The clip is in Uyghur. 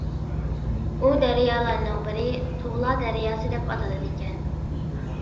ئۇ دەريالارنىڭ بىرى ‹ ‹تۇغلا دەرياسى› › دەپ ئاتىلىدىكەن.